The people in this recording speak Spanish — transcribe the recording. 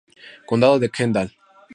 Condado de Kendall